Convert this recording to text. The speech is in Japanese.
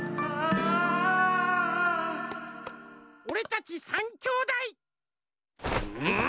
おれたち３きょうだい！